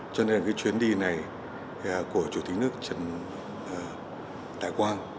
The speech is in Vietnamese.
cho nên cái chuyến đi này của chủ tịch nước trần đại quang